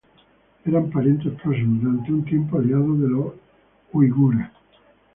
Eran parientes próximos y, durante un tiempo, aliados de los uigures.